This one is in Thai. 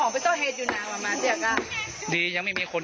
ประมาณนาทีนะครับ